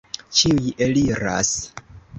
Ĉiuj eliras!